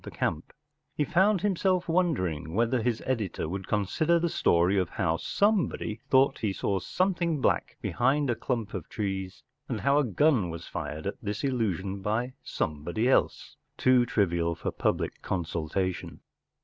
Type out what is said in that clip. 75 3 He found himself wondering whether his editor would consider the story of how some¬ body thought he saw something black behind a clump of trees, and how a gun was fired at this illusion by somebody else, too trivial for public consumption.